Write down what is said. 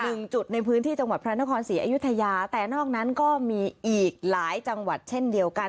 หนึ่งจุดในพื้นที่จังหวัดพระนครศรีอยุธยาแต่นอกนั้นก็มีอีกหลายจังหวัดเช่นเดียวกัน